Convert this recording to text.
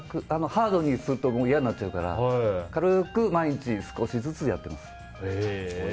ハードにやると嫌になっちゃうから軽く、毎日少しずつやっています。